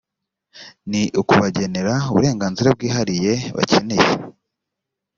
ni ukubagenera uburenganzira bwihariye bakeneye